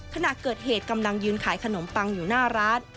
ขณะเกิดเหตุกำลังยืนขายขนมปังอยู่หน้าร้าน